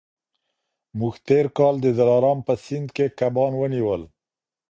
موږ تېر کال د دلارام په سیند کي کبان ونیول.